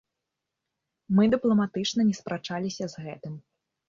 Мы дыпламатычна не спрачаліся з гэтым.